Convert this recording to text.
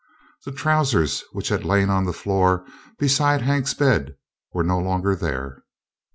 The trousers which had lain on the floor beside Hank's bed were no longer there.